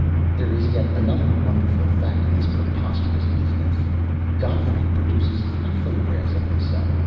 There is yet another wonderful fact in this preposterous business. Gottfried produces three photographs of himself.